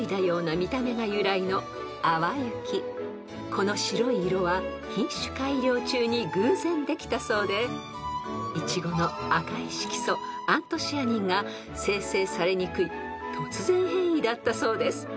［この白い色は品種改良中に偶然できたそうでイチゴの赤い色素アントシアニンが生成されにくい突然変異だったそうです］